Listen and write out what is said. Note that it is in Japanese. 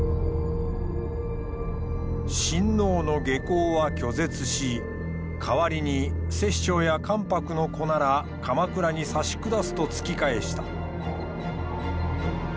親王の下向は拒絶し代わりに摂政や関白の子なら鎌倉に差し下すと突き返した。